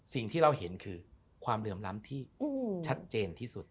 สิ่งที่เราเห็นคือความเหลื่อมล้ำที่ชัดเจนที่สุด